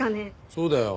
そうだよ。